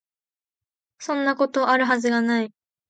そんなこと、有る筈が無い